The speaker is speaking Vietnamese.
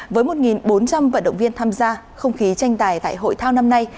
với một bốn trăm linh vận động viên tham gia không khí tranh tài tại hội thao năm nay